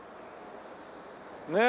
ねえ。